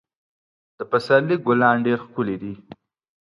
د پسرلي ګلان ډېر ښکلي دي.